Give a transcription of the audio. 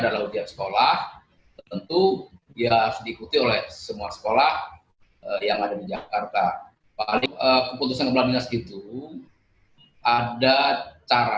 dalam wujud sekolah tentu terus diikuti oleh semua sekolah yang ada di jakarta paling banyak keputusan tersebut yang diikuti oleh semua sekolah yang ada di jakarta